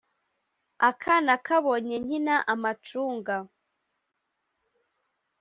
Akana kabonye nkina amacunga